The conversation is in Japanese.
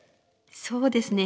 そうですね。